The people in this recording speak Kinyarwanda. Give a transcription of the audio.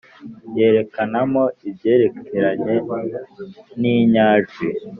yerekanamo ibyerekeranye n’inyajwi